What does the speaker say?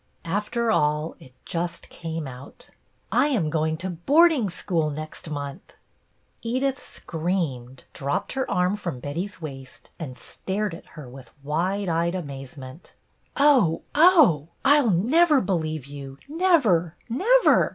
After all, it just came out. " I am going to boarding school next month." Edith screamed, dropped her arm from Betty's waist, and stared at her with wide eyed amazement. " Oh, oh ! I 'll never believe you, never, never!